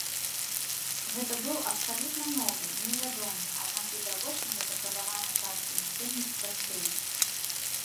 Гэта быў абсалютна новы, не вядомы, аднак відавочна запатрабаваны часткай насельніцтва стыль.